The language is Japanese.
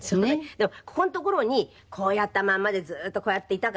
ここの所にこうやったままでずっとこうやっていたから私。